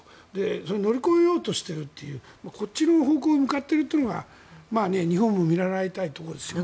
それを乗り越えようとしているというこっちの方向に向かっているというのが日本も見習いたいところですね。